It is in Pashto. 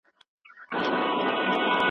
عبدالله سعيدي شريف الله شرافت